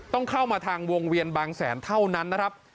ต้องเข้ามาทางวงเวียนบางแสนเท่านั้นนะครับ